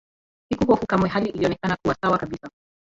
Sikuhofu kamwe Hali ilionekana kuwa sawa kabisa